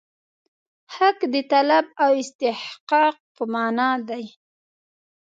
حق د طلب او استحقاق په معنا دی.